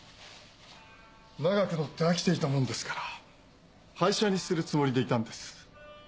長く乗って飽きていたもんですから廃車にするつもりでいたんです。